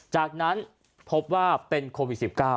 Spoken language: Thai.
จากนั้นพบว่าเป็นโควิด๑๙